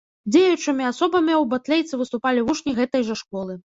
Дзеючымі асобамі ў батлейцы выступалі вучні гэтай жа школы.